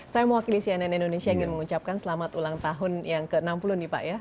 saya mewakili cnn indonesia ingin mengucapkan selamat ulang tahun yang ke enam puluh nih pak ya